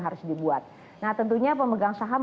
harus dibuat nah tentunya pemegang saham